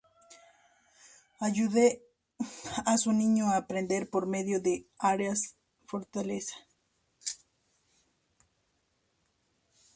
Ayude a su niño a aprender por medio de sus áreas de fortaleza.